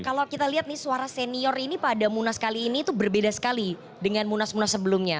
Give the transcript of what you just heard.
kalau kita lihat nih suara senior ini pada munas kali ini itu berbeda sekali dengan munas munas sebelumnya